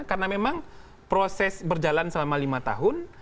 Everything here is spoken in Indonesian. karena memang proses berjalan selama lima tahun